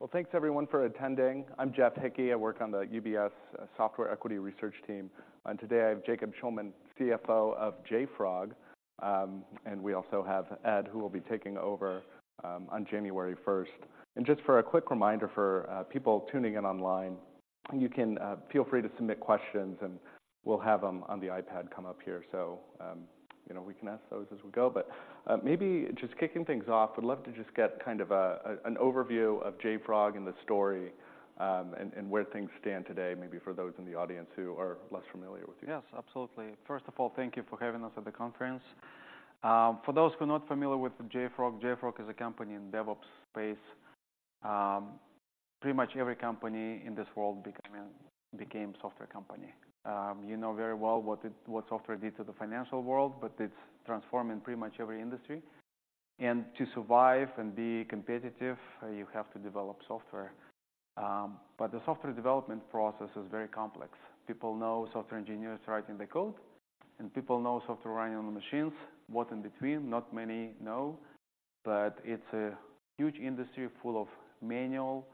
Well, thanks everyone for attending. I'm Jeff Hickey. I work on the UBS Software Equity Research team, and today I have Jacob Shulman, CFO of JFrog. And we also have Ed, who will be taking over, on January first. Just for a quick reminder for people tuning in online, you can feel free to submit questions, and we'll have them on the iPad come up here, so you know, we can ask those as we go. Maybe just kicking things off, I'd love to just get kind of an overview of JFrog and the story, and where things stand today, maybe for those in the audience who are less familiar with you. Yes, absolutely. First of all, thank you for having us at the conference. For those who are not familiar with JFrog, JFrog is a company in DevOps space. Pretty much every company in this world becoming, became software company. You know very well what it, what software did to the financial world, but it's transforming pretty much every industry. And to survive and be competitive, you have to develop software. But the software development process is very complex. People know software engineers writing the code, and people know software running on the machines. What in between? Not many know, but it's a huge industry full of manual,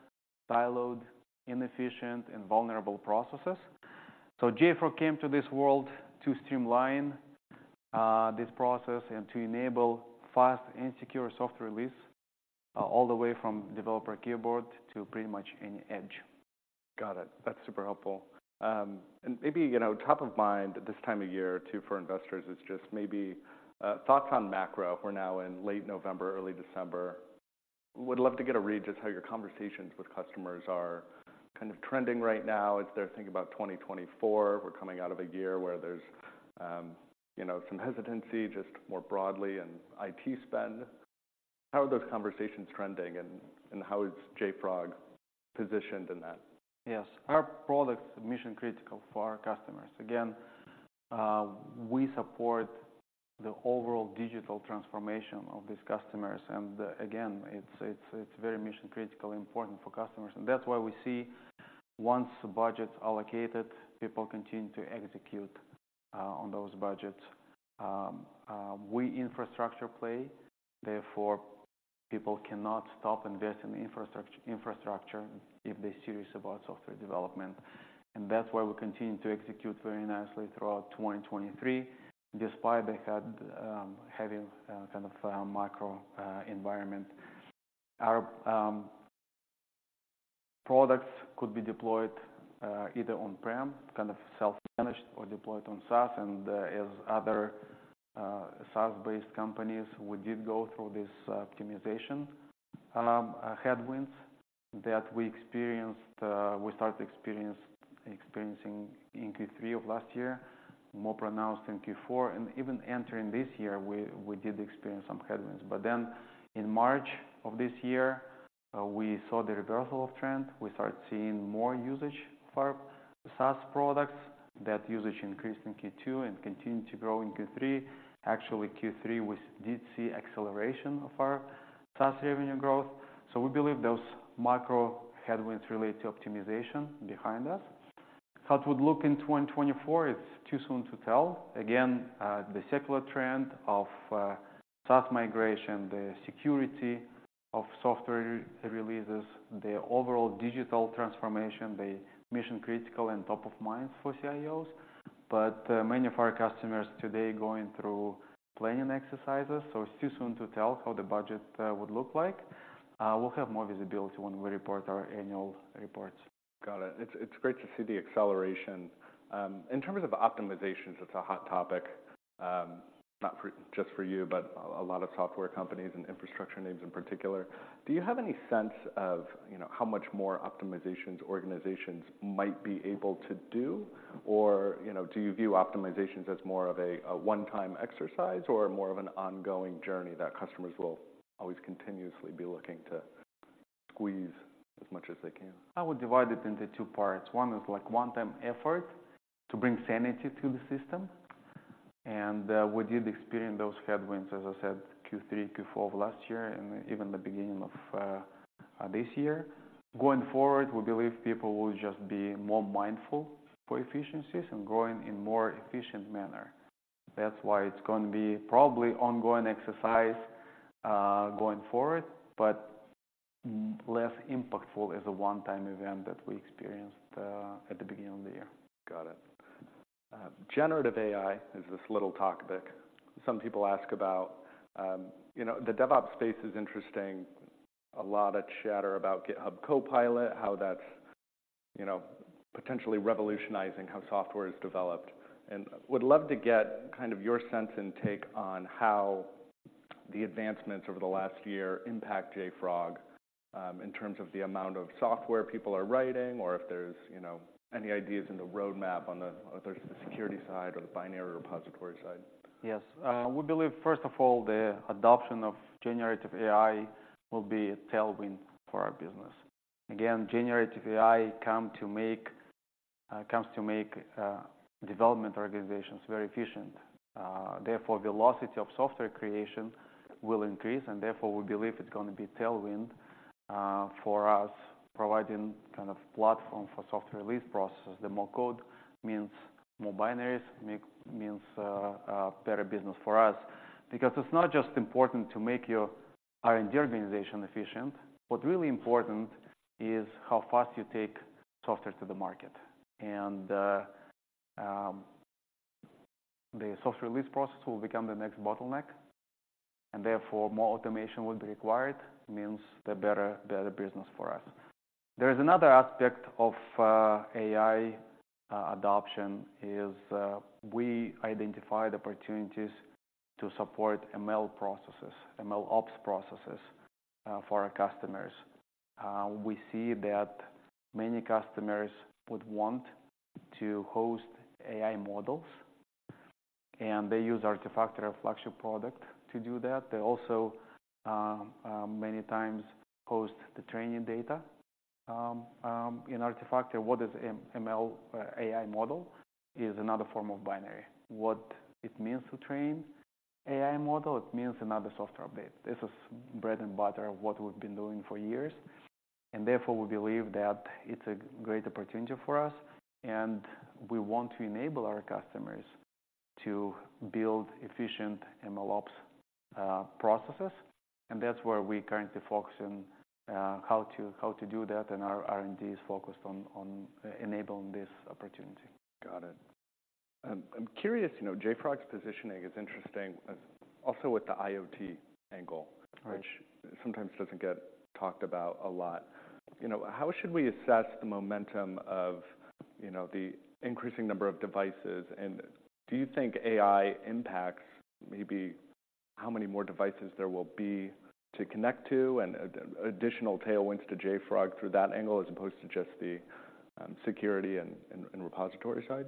siloed, inefficient, and vulnerable processes. So JFrog came to this world to streamline this process and to enable fast and secure software release, all the way from developer keyboard to pretty much any edge. Got it. That's super helpful. And maybe, you know, top of mind this time of year, too, for investors, is just maybe thoughts on macro. We're now in late November, early December. Would love to get a read, just how your conversations with customers are kind of trending right now as they're thinking about 2024. We're coming out of a year where there's, you know, some hesitancy, just more broadly in IT spend. How are those conversations trending, and how is JFrog positioned in that? Yes. Our product is mission-critical for our customers. Again, we support the overall digital transformation of these customers, and again, it's very mission-critical, important for customers. And that's why we see once the budget's allocated, people continue to execute on those budgets. We infrastructure play, therefore, people cannot stop investing in infrastructure if they're serious about software development. And that's why we continue to execute very nicely throughout 2023, despite having kind of a macro environment. Our products could be deployed either on-prem, kind of self-managed, or deployed on SaaS. And, as other SaaS-based companies, we did go through this optimization. Headwinds that we experienced, we started experiencing in Q3 of last year, more pronounced in Q4, and even entering this year, we did experience some headwinds. But then in March of this year, we saw the reversal of trend. We start seeing more usage for our SaaS products. That usage increased in Q2 and continued to grow in Q3. Actually, Q3, we did see acceleration of our SaaS revenue growth. So we believe those micro headwinds relate to optimization behind us. How it would look in 2024, it's too soon to tell. Again, the secular trend of, SaaS migration, the security of software releases, the overall digital transformation, they mission critical and top of mind for CIOs. But, many of our customers today going through planning exercises, so it's too soon to tell how the budget, would look like. We'll have more visibility when we report our annual reports. Got it. It's, it's great to see the acceleration. In terms of optimizations, it's a hot topic, not for... just for you, but a lot of software companies and infrastructure names in particular. Do you have any sense of, you know, how much more optimizations organizations might be able to do? Or, you know, do you view optimizations as more of a, a one-time exercise or more of an ongoing journey that customers will always continuously be looking to squeeze as much as they can? I would divide it into two parts. One is like one-time effort to bring sanity to the system, and we did experience those headwinds, as I said, Q3, Q4 of last year, and even the beginning of this year. Going forward, we believe people will just be more mindful for efficiencies and growing in more efficient manner. That's why it's going to be probably ongoing exercise, going forward, but less impactful as a one-time event that we experienced at the beginning of the year. Got it. Generative AI is this little topic some people ask about. You know, the DevOps space is interesting. A lot of chatter about GitHub Copilot, how that's, you know, potentially revolutionizing how software is developed. And would love to get kind of your sense and take on how the advancements over the last year impact JFrog, in terms of the amount of software people are writing, or if there's, you know, any ideas in the roadmap on the, whether it's the security side or the binary repository side. Yes. We believe, first of all, the adoption of generative AI will be a tailwind for our business. Again, generative AI comes to make development organizations very efficient. Therefore, velocity of software creation will increase, and therefore, we believe it's going to be tailwind for us, providing kind of platform for software release processes. The more code means more binaries, means better business for us because it's not just important to make your R&D organization efficient. What's really important is how fast you take software to the market. The software release process will become the next bottleneck, and therefore more automation will be required, means the better business for us. There is another aspect of AI adoption is we identified opportunities to support ML processes, MLOps processes for our customers. We see that many customers would want to host AI models, and they use Artifactory, our flagship product, to do that. They also, many times, host the training data. In Artifactory, what is M-ML, AI model is another form of binary. What it means to train AI model, it means another software update. This is bread and butter of what we've been doing for years, and therefore, we believe that it's a great opportunity for us, and we want to enable our customers to build efficient MLOps processes, and that's where we currently focus on, how to do that, and our R&D is focused on enabling this opportunity. Got it. I'm curious, you know, JFrog's positioning is interesting, as also with the IoT angle- Right. which sometimes doesn't get talked about a lot. You know, how should we assess the momentum of, you know, the increasing number of devices, and do you think AI impacts maybe how many more devices there will be to connect to, and additional tailwinds to JFrog through that angle, as opposed to just the, security and repository side?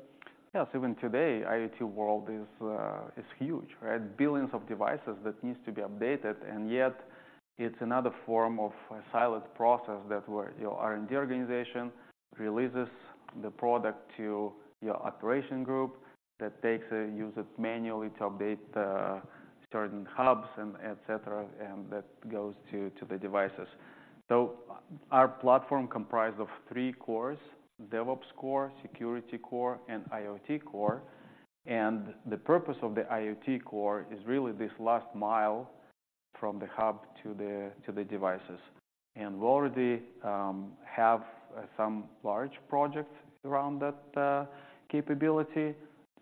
Yes. Even today, IoT world is, is huge, right? Billions of devices that needs to be updated, and yet it's another form of a silent process that where your R&D organization releases the product to your operation group, that takes it, uses manually to update certain hubs and et cetera, and that goes to the devices. So our platform comprised of three cores: DevOps core, security core, and IoT core. And the purpose of the IoT core is really this last mile from the hub to the devices. And we already have some large projects around that capability.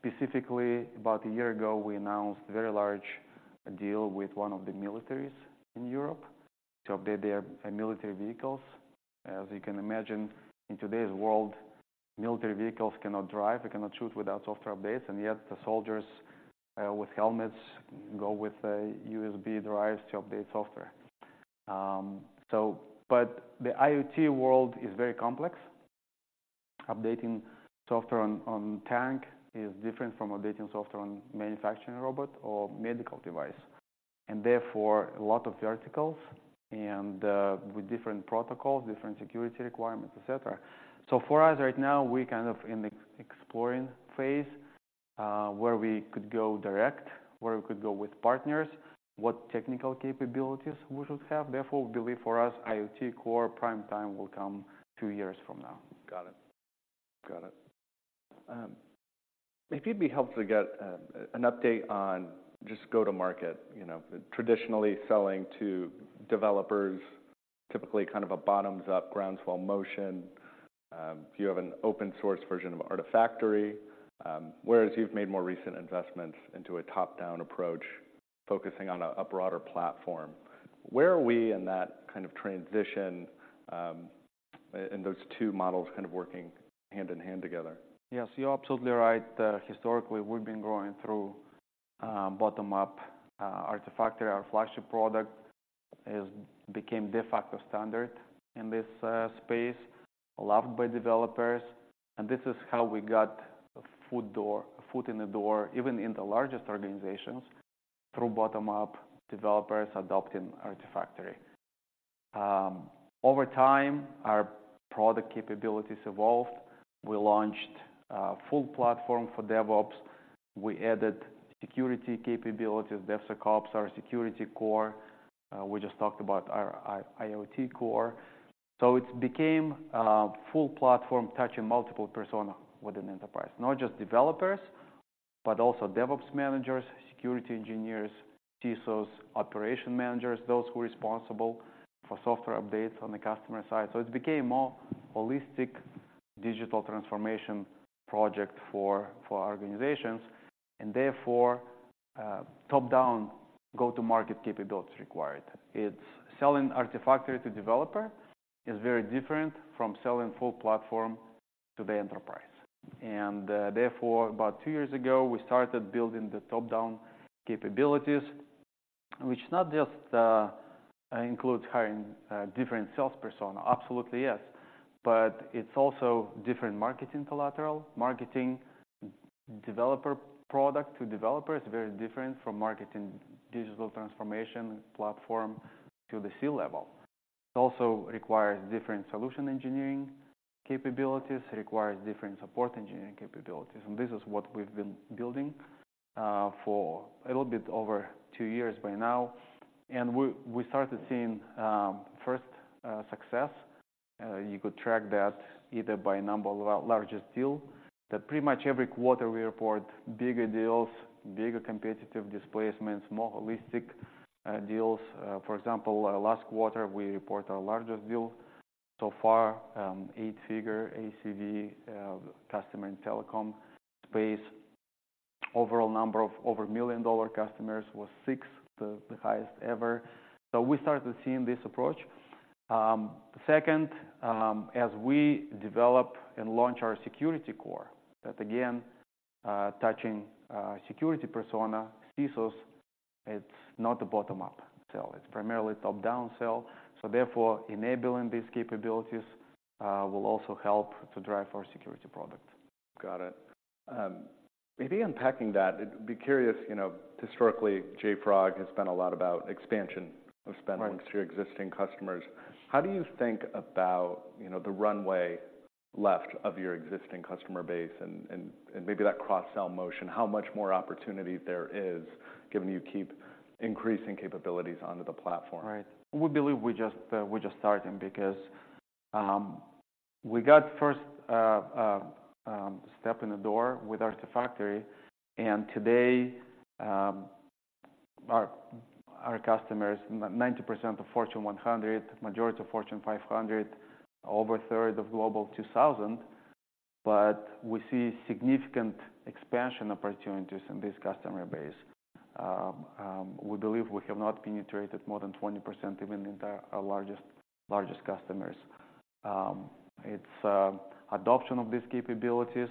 Specifically, about a year ago, we announced a very large deal with one of the militaries in Europe to update their military vehicles. As you can imagine, in today's world, military vehicles cannot drive, they cannot shoot without software updates, and yet the soldiers, with helmets go with, USB drives to update software. So but the IoT world is very complex. Updating software on tank is different from updating software on manufacturing robot or medical device, and therefore a lot of verticals and, with different protocols, different security requirements, et cetera. So for us, right now, we're kind of in the exploring phase, where we could go direct, where we could go with partners, what technical capabilities we should have. Therefore, believe for us, IoT core prime time will come two years from now. Got it. Got it. It'd be helpful to get an update on just go-to-market, you know, traditionally selling to developers, typically kind of a bottoms-up, groundswell motion. If you have an open source version of Artifactory, whereas you've made more recent investments into a top-down approach, focusing on a broader platform. Where are we in that kind of transition, and those two models kind of working hand in hand together? Yes, you're absolutely right. Historically, we've been growing through bottom-up. Artifactory, our flagship product, has become de facto standard in this space, loved by developers, and this is how we got a foot in the door, even in the largest organizations, through bottom-up developers adopting Artifactory. Over time, our product capabilities evolved. We launched a full platform for DevOps. We added security capabilities, DevSecOps, our security core. We just talked about our IoT core. So it became a full platform touching multiple persona within enterprise. Not just developers, but also DevOps managers, security engineers, CISOs, operation managers, those who are responsible for software updates on the customer side. So it became more holistic digital transformation project for organizations, and therefore, top-down go-to-market capabilities required. It's selling Artifactory to developer is very different from selling full platform to the enterprise. Therefore, about two years ago, we started building the top-down capabilities, which not just includes hiring different sales persona. Absolutely, yes. But it's also different marketing collateral. Marketing developer product to developer is very different from marketing digital transformation platform to the C-level. It also requires different solution engineering capabilities, it requires different support engineering capabilities, and this is what we've been building for a little bit over two years by now. We started seeing first success. You could track that either by number of largest deal, that pretty much every quarter we report bigger deals, bigger competitive displacements, more holistic deals. For example, last quarter, we report our largest deal so far, eight-figure ACV, customer in telecom space. Overall number of over $1 million customers was six, the highest ever. So we started seeing this approach. Second, as we develop and launch our security core, that again, touching, security persona, CISOs, it's not a bottom-up sell, it's primarily top-down sell. So therefore, enabling these capabilities, will also help to drive our security product. Got it. Maybe unpacking that, be curious, you know, historically, JFrog has been a lot about expansion of spend- Right among your existing customers. How do you think about, you know, the runway left of your existing customer base, and maybe that cross-sell motion, how much more opportunity there is, given you keep increasing capabilities onto the platform? Right. We believe we just, we're just starting because, we got first step in the door with Artifactory, and today, our, our customers, ninety percent of Fortune 100, majority of Fortune 500, over a third of Global 2000, but we see significant expansion opportunities in this customer base. We believe we have not penetrated more than 20% even in the, our largest, largest customers. It's adoption of these capabilities,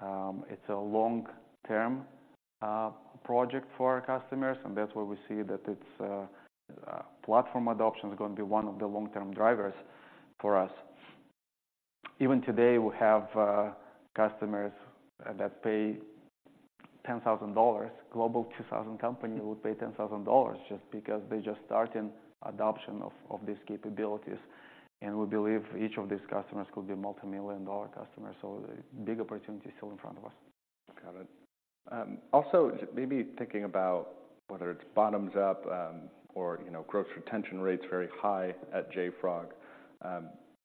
it's a long-term project for our customers, and that's where we see that it's platform adoption is going to be one of the long-term drivers for us. Even today, we have customers that pay $10,000. Global 2000 company will pay $10,000 just because they're just starting adoption of these capabilities, and we believe each of these customers could be a multimillion-dollar customer, so big opportunity still in front of us. Got it. Also just maybe thinking about whether it's bottoms up, or, you know, gross retention rates, very high at JFrog.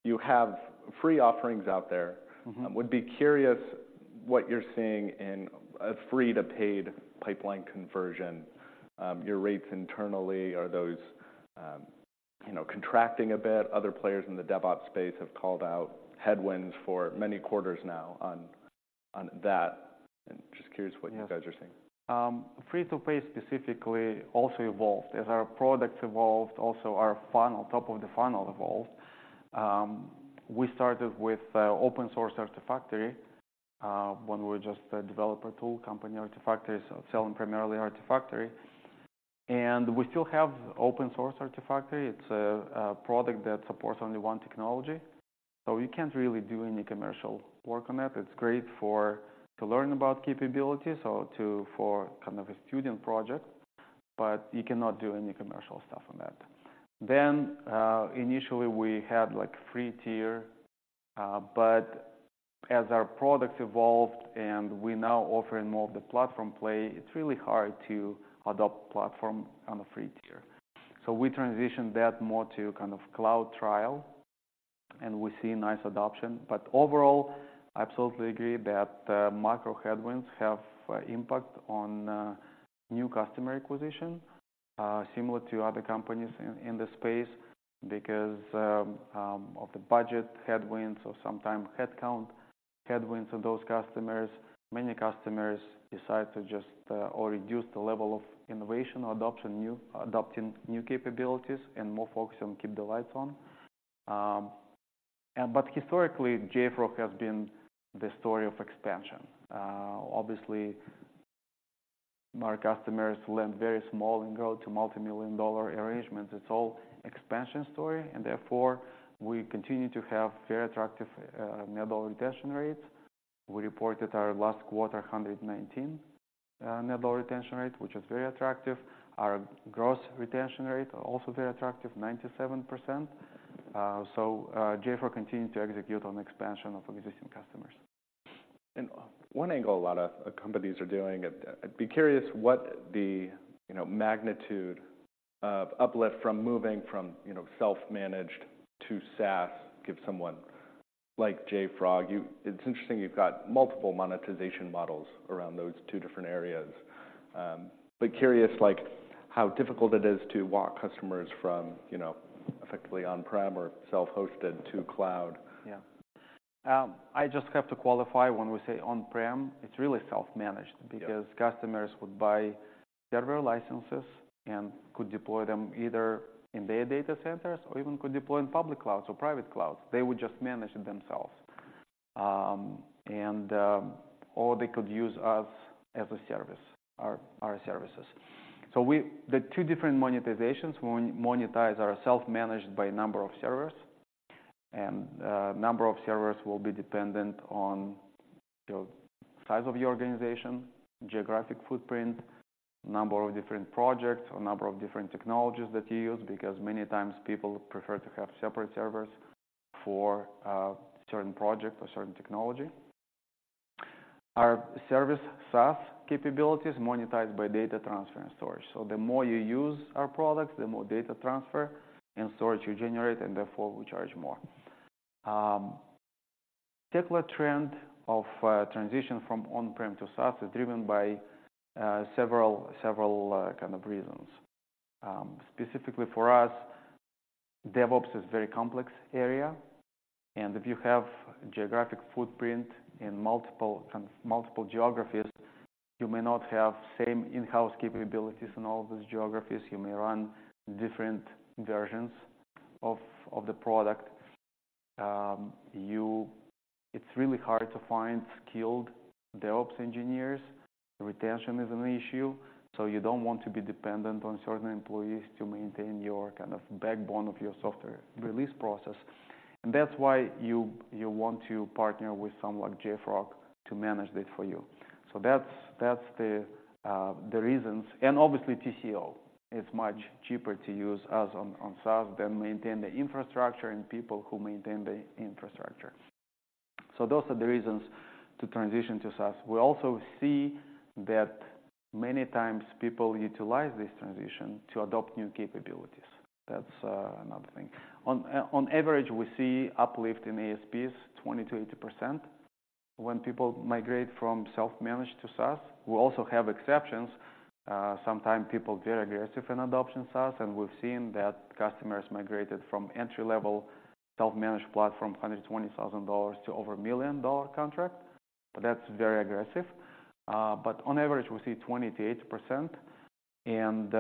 You have free offerings out there. Mm-hmm. Would be curious what you're seeing in a free to paid pipeline conversion, your rates internally, are those, you know, contracting a bit? Other players in the DevOps space have called out headwinds for many quarters now on, on that. I'm just curious what- Yes you guys are seeing. Free-to-paid specifically also evolved. As our products evolved, also our funnel, top of the funnel evolved. We started with open source Artifactory when we were just a developer tool company, Artifactory, so selling primarily Artifactory. And we still have open source Artifactory. It's a product that supports only one technology, so you can't really do any commercial work on that. It's great for to learn about capabilities or for kind of a student project, but you cannot do any commercial stuff on that. Then initially, we had, like, free tier but as our products evolved and we're now offering more of the platform play, it's really hard to adopt platform on a free tier. So we transitioned that more to kind of cloud trial, and we see nice adoption. Overall, I absolutely agree that macro headwinds have impact on new customer acquisition, similar to other companies in the space, because of the budget headwinds or sometime headcount headwinds of those customers. Many customers decide to just or reduce the level of innovation or adoption new- adopting new capabilities, and more focus on keep the lights on. Historically, JFrog has been the story of expansion. Obviously, our customers lend very small and grow to multimillion-dollar arrangements. It's all expansion story, and therefore, we continue to have very attractive net dollar retention rates. We reported our last quarter, 119 net dollar retention rate, which is very attractive. Our gross retention rate are also very attractive, 97%. JFrog continues to execute on expansion of existing customers. One angle a lot of companies are doing, I'd be curious what the, you know, magnitude of uplift from moving from, you know, self-managed to SaaS gives someone like JFrog. It's interesting, you've got multiple monetization models around those two different areas. But curious, like, how difficult it is to walk customers from, you know, effectively on-prem or self-hosted to cloud? Yeah. I just have to qualify when we say on-prem, it's really self-managed- Yeah... because customers would buy server licenses and could deploy them either in their data centers or even could deploy in public clouds or private clouds. They would just manage it themselves. Or they could use us as a service, our, our services. So we... The two different monetizations, we monetize our self-managed by number of servers, and number of servers will be dependent on your size of the organization, geographic footprint, number of different projects, or number of different technologies that you use, because many times people prefer to have separate servers for certain project or certain technology.... Our service SaaS capabilities monetized by data transfer and storage. So the more you use our products, the more data transfer and storage you generate, and therefore we charge more. Secular trend of transition from on-prem to SaaS is driven by several kind of reasons. Specifically for us, DevOps is a very complex area, and if you have geographic footprint in multiple geographies, you may not have same in-house capabilities in all of these geographies. You may run different versions of the product. It's really hard to find skilled DevOps engineers. Retention is an issue, so you don't want to be dependent on certain employees to maintain your kind of backbone of your software release process. And that's why you want to partner with someone like JFrog to manage this for you. So that's the reasons. And obviously, TCO is much cheaper to use us on SaaS than maintain the infrastructure and people who maintain the infrastructure. So those are the reasons to transition to SaaS. We also see that many times people utilize this transition to adopt new capabilities. That's another thing. On average, we see uplift in ASPs 20%-80% when people migrate from self-managed to SaaS. We also have exceptions. Sometimes people get aggressive in adopting SaaS, and we've seen that customers migrated from entry-level self-managed platform, $120,000 to over a $1 million contract. But that's very aggressive. But on average, we see 20%-80%, and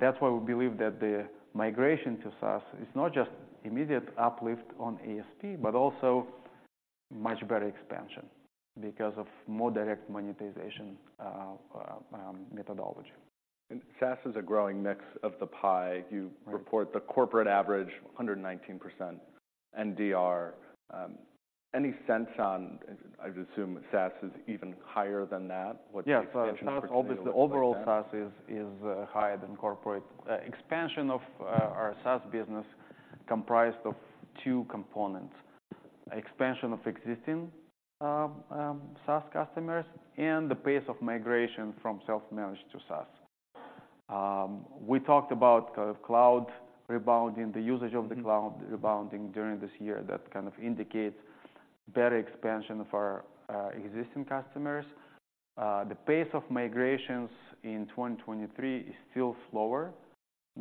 that's why we believe that the migration to SaaS is not just immediate uplift on ASP, but also much better expansion because of more direct monetization methodology. SaaS is a growing mix of the pie. Right. You report the corporate average, 119% NDR. Any sense on... I'd assume SaaS is even higher than that, what the expansion for SaaS looks like? Yeah. So obviously, the overall SaaS is higher than corporate. Expansion of our SaaS business comprised of two components: expansion of existing SaaS customers and the pace of migration from self-managed to SaaS. We talked about kind of cloud rebounding, the usage of the cloud- Mm-hmm Rebounding during this year. That kind of indicates better expansion for, existing customers. The pace of migrations in 2023 is still slower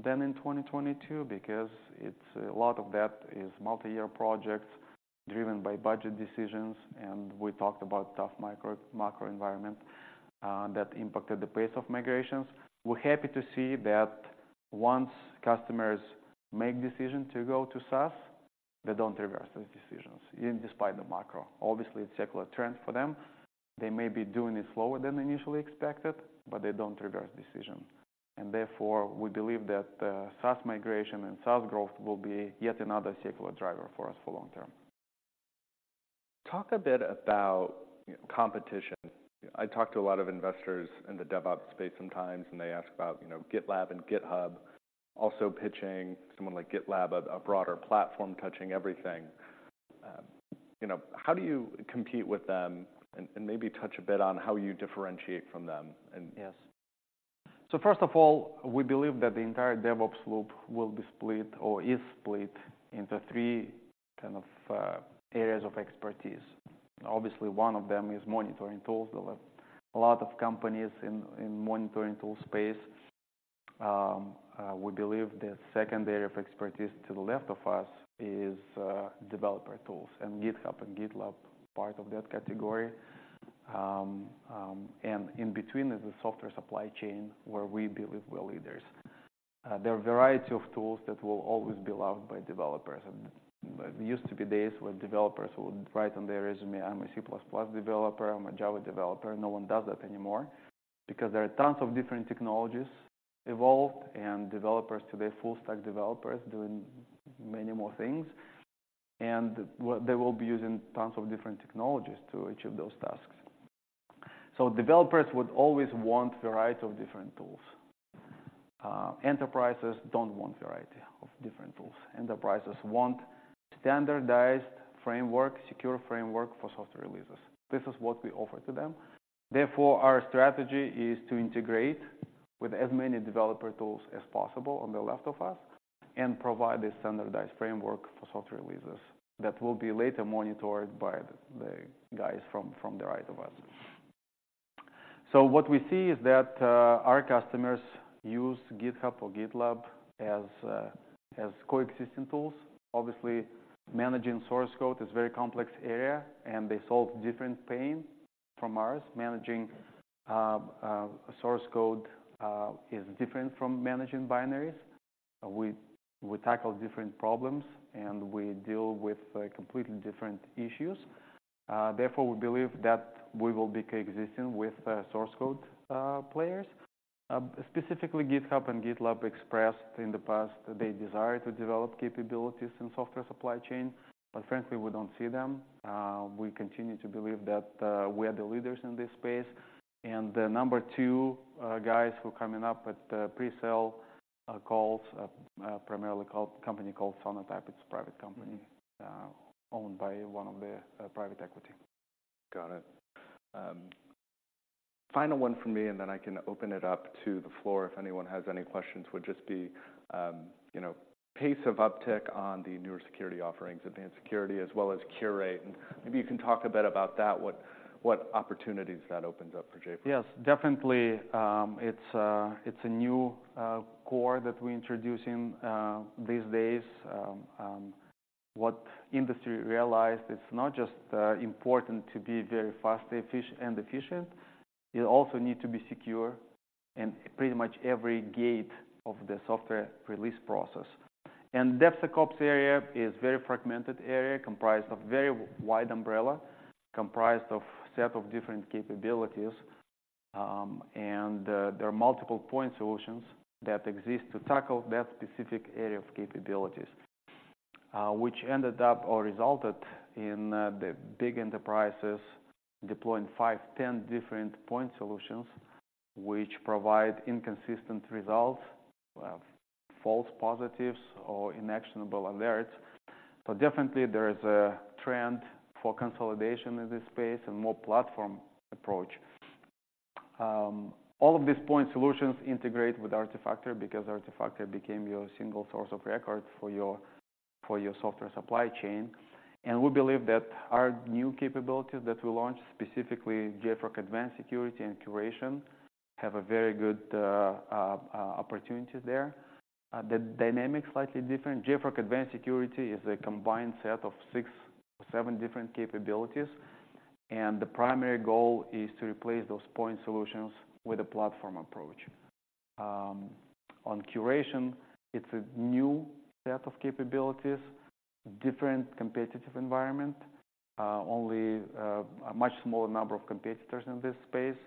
than in 2022, because it's... A lot of that is multiyear projects driven by budget decisions, and we talked about tough micro, macro environment, that impacted the pace of migrations. We're happy to see that once customers make decision to go to SaaS, they don't reverse those decisions, even despite the macro. Obviously, it's secular trend for them. They may be doing it slower than initially expected, but they don't reverse decision. And therefore, we believe that, SaaS migration and SaaS growth will be yet another secular driver for us for long term. Talk a bit about competition. I talk to a lot of investors in the DevOps space sometimes, and they ask about, you know, GitLab and GitHub, also pitching someone like GitLab, a broader platform, touching everything. You know, how do you compete with them? And maybe touch a bit on how you differentiate from them and- Yes. So first of all, we believe that the entire DevOps loop will be split or is split into three kind of areas of expertise. Obviously, one of them is monitoring tools. There are a lot of companies in, in monitoring tool space. We believe the second area of expertise to the left of us is developer tools, and GitHub and GitLab part of that category. And in between is the software supply chain, where we believe we're leaders. There are a variety of tools that will always be loved by developers, and there used to be days where developers would write on their resume, "I'm a C++ developer. I'm a Java developer." No one does that anymore because there are tons of different technologies evolved, and developers today are full-stack developers doing many more things, and they will be using tons of different technologies to achieve those tasks. So developers would always want variety of different tools. Enterprises don't want variety of different tools. Enterprises want standardized framework, secure framework for software releases. This is what we offer to them. Therefore, our strategy is to integrate with as many developer tools as possible on the left of us, and provide a standardized framework for software releases that will be later monitored by the guys from the right of us. So what we see is that our customers use GitHub or GitLab as coexisting tools. Obviously, managing source code is a very complex area, and they solve different pain from ours. Managing source code is different from managing binaries. We tackle different problems, and we deal with completely different issues. Therefore, we believe that we will be coexisting with source code players. Specifically, GitHub and GitLab expressed in the past their desire to develop capabilities in software supply chain, but frankly, we don't see them. We continue to believe that we are the leaders in this space. And the number two guys who are coming up with the pre-sale calls primarily called company called Sonatype. It's a private company owned by one of the private equity. Got it. Final one from me, and then I can open it up to the floor if anyone has any questions. Would just be, you know, pace of uptick on the newer security offerings, Advanced Security, as well as Curate, and maybe you can talk a bit about that, what, what opportunities that opens up for JFrog. Yes, definitely, it's a new core that we're introducing these days. What industry realized, it's not just important to be very fast, efficient, and efficient. You also need to be secure in pretty much every gate of the software release process. And DevSecOps area is very fragmented area, comprised of very wide umbrella, comprised of set of different capabilities. And there are multiple point solutions that exist to tackle that specific area of capabilities, which ended up or resulted in the big enterprises deploying five, 10 different point solutions, which provide inconsistent results, false positives or inactionable alerts. So definitely there is a trend for consolidation in this space and more platform approach. All of these point solutions integrate with Artifactory, because Artifactory became your single source of record for your, for your software supply chain, and we believe that our new capabilities that we launched, specifically JFrog Advanced Security and Curation, have a very good opportunity there. The dynamic slightly different. JFrog Advanced Security is a combined set of six to seven different capabilities, and the primary goal is to replace those point solutions with a platform approach. On curation, it's a new set of capabilities, different competitive environment, only a much smaller number of competitors in this space,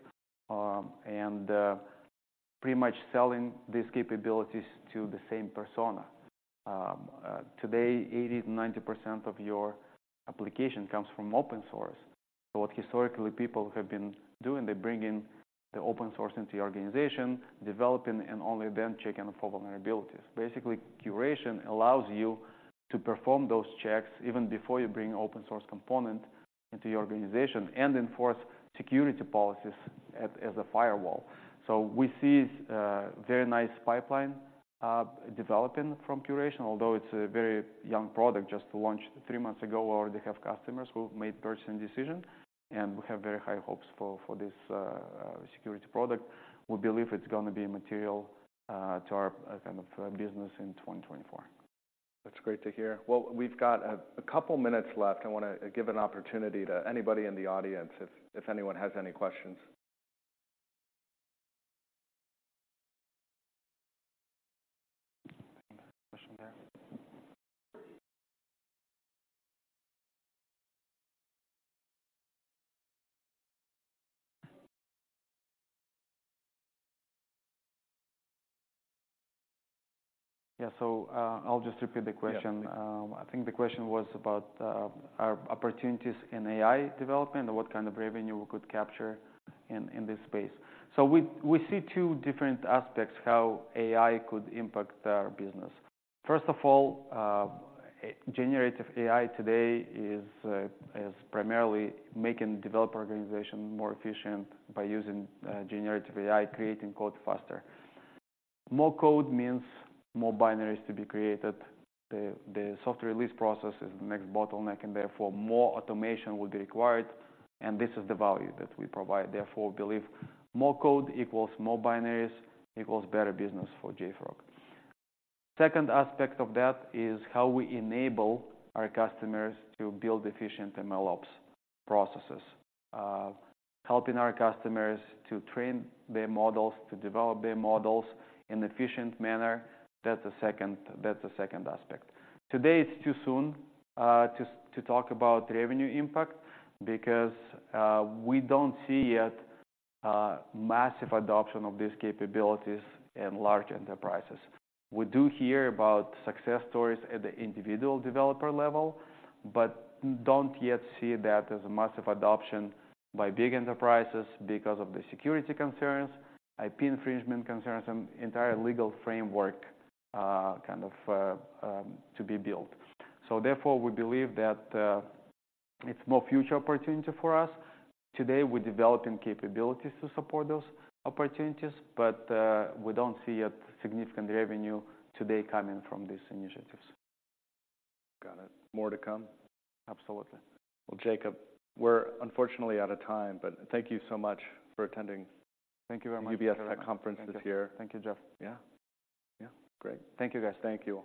and pretty much selling these capabilities to the same persona. Today, 80%-90% of your application comes from open source. So what historically people have been doing, they're bringing the open source into the organization, developing, and only then checking for vulnerabilities. Basically, Curation allows you to perform those checks even before you bring open source component into your organization and enforce security policies at, as a firewall. So we see a very nice pipeline developing from curation, although it's a very young product, just launched three months ago. Already have customers who have made purchasing decisions, and we have very high hopes for, for this security product. We believe it's going to be material to our, kind of, business in 2024. That's great to hear. Well, we've got a couple minutes left. I want to give an opportunity to anybody in the audience, if anyone has any questions. Question there. Yeah. So, I'll just repeat the question. Yeah. I think the question was about opportunities in AI development, and what kind of revenue we could capture in this space. So we see two different aspects how AI could impact our business. First of all, generative AI today is primarily making developer organization more efficient by using generative AI, creating code faster. More code means more binaries to be created. The software release process is the next bottleneck, and therefore more automation will be required, and this is the value that we provide. Therefore, we believe more code equals more binaries, equals better business for JFrog. Second aspect of that is how we enable our customers to build efficient MLOps processes, helping our customers to train their models, to develop their models in efficient manner. That's the second aspect. Today, it's too soon to talk about revenue impact because we don't see yet massive adoption of these capabilities in large enterprises. We do hear about success stories at the individual developer level, but don't yet see that as a massive adoption by big enterprises because of the security concerns, IP infringement concerns, and entire legal framework kind of to be built. So therefore, we believe that it's more future opportunity for us. Today, we're developing capabilities to support those opportunities, but we don't see a significant revenue today coming from these initiatives. Got it. More to come? Absolutely. Well, Jacob, we're unfortunately out of time, but thank you so much for attending- Thank you very much.... UBS Tech Conference this year. Thank you, Jeff. Yeah. Yeah. Great. Thank you, guys. Thank you.